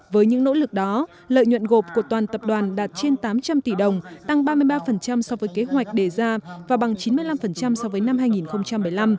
với những nỗ lực đó lợi nhuận gộp của toàn tập đoàn đạt trên tám trăm linh tỷ đồng tăng ba mươi ba so với kế hoạch đề ra và bằng chín mươi năm so với năm hai nghìn một mươi năm